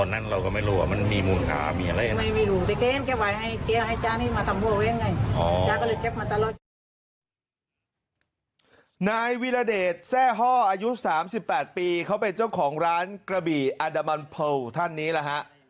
นายวิรเดชแทร่ฮ่ออายุ๓๘ปีเขาเป็นเจ้าของร้านกระบี่อาดามันโพลท่านนี้แหละฮะ